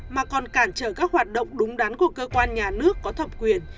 mà còn cản trở các hoạt động đúng đắn của cơ quan nhà nước có thẩm quyền